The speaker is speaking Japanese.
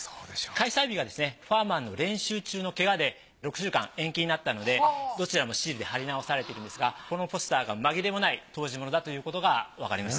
開催日がですねフォアマンの練習中のケガで６週間延期になったのでどちらもシールで貼り直されているんですがこのポスターがまぎれもない当時のものだということがわかります。